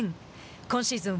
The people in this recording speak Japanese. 今シーズン